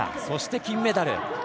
そして、金メダル。